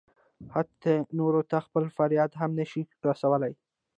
حتی نورو ته خپل فریاد هم نه شي رسولی.